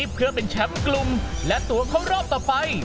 เพื่อเป็นแชมป์กลุ่มและตัวเข้ารอบต่อไป